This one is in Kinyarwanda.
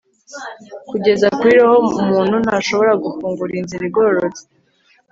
Kugeza kuri roho umuntu ntashobora gufungura inzira igororotse